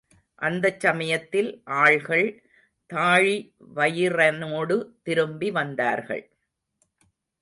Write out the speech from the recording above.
அந்தச் சமயத்தில் ஆள்கள் தாழிவயிறனோடு திரும்பி வந்தார்கள்.